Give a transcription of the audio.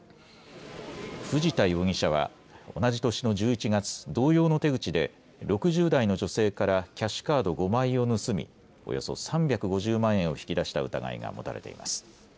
藤田容疑者は同じ年の１１月、同様の手口で６０代の女性からキャッシュカード５枚を盗みおよそ３５０万円を引き出した疑いが持たれています。